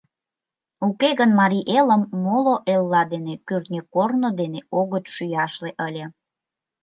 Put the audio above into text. Уке гын, Марий Элым моло элла дене кӱртньӧ корно дене огыт шӱяшле ыле.